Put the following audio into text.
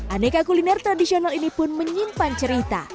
aneka kuliner tradisional ini pun menyimpan cerita